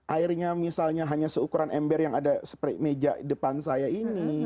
airnya misalnya hanya seukuran ember yang ada seperti meja depan saya ini